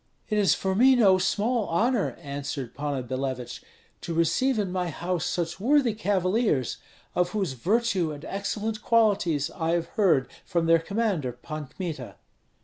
"It is for me no small honor," answered Panna Billevich, "to receive in my house such worthy cavaliers, of whose virtue and excellent qualities I have heard from their commander, Pan Kmita."